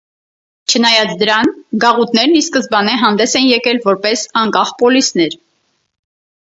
Չնայած դրան, գաղութներն ի սկզբանե հանդես են եկել որպես անկախ պոլիսներ։